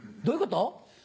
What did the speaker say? どういうこと？